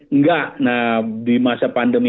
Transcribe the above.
enggak di masa pandemi